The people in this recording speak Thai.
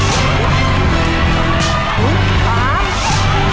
หูขอบคุณครับ